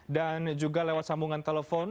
dan juga lewat sambungan telepon